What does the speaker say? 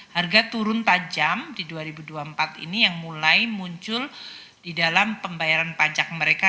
harga turun tajam di dua ribu dua puluh empat ini yang mulai muncul di dalam pembayaran pajak mereka